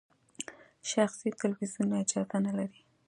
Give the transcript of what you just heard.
شخصي تلویزیونونه اجازه نلري.